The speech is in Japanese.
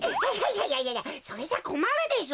いやいやそれじゃこまるでしょ？